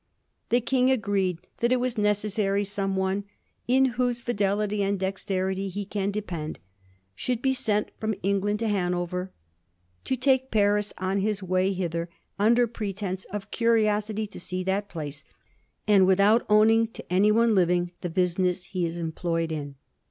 The King agreed that it was necessary someone *in whose fidelity and dexterity he can depend' should set out from England to Hanover, ' and take Paris on his way hither, under pretence of a curiosity to see that place, and without owning to anyone living the business he is employed in.'